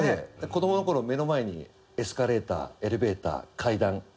子どもの頃目の前にエスカレーターエレベーター階段あったら。